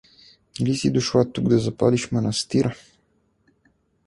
Или си дошла тук да запалиш манастира?